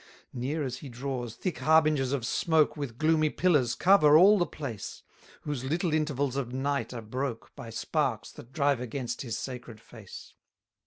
239 Near as he draws, thick harbingers of smoke With gloomy pillars cover all the place; Whose little intervals of night are broke By sparks, that drive against his sacred face.